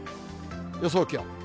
予想気温。